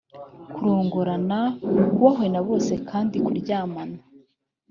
kurongorana kubahwe na bose kandi kuryamana